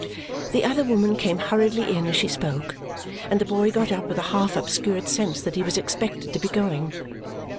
The other woman came hurriedly in as she spoke, and the boy got up with a half obscured sense that he was expected to be going.